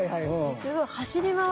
すごい。